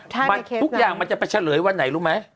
ทุกอย่างมันจะไปเฉลยวันไหนรู้ไหม